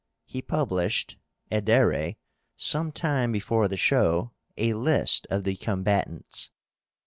He published (edere), some time before the show, a list of the combatants.